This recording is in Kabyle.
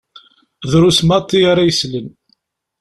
Drus maḍi ara yeslen.